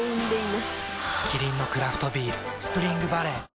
キリンのクラフトビール「スプリングバレー」